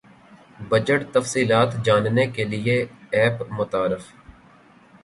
budget تفصیلات جاننے کیلئے ایپ متعارف